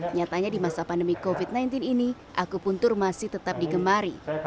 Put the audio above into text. nyatanya di masa pandemi covid sembilan belas ini aku puntur masih tetap digemari